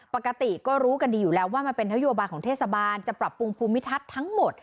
ปกติก็รู้กันดีอยู่แล้วว่ามันเป็นนโยบายของเทศบาลจะปรับปรุงภูมิทัศน์ทั้งหมด